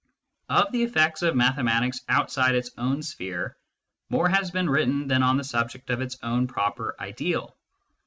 Of the effects of mathematics outside its own sphere more has been written than on the subject of its own proper ideal.